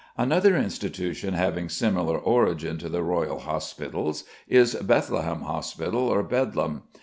Another institution having a similar origin to the Royal Hospitals is Bethlehem Hospital, or Bedlam.